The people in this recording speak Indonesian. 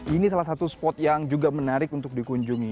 ini salah satu spot yang juga menarik untuk dikunjungi